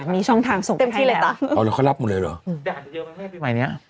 มีช่องทางส่งไปให้แล้วเอาแล้วเข้ารับหมดเลยเหรอไหนเนี่ย